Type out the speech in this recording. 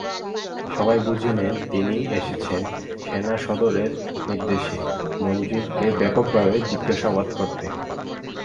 সবাই বুঝে নেন, তিনি এসেছেন সেনাসদরের নির্দেশে, মঞ্জুরকে ব্যাপকভাবে জিজ্ঞাসাবাদ করতে।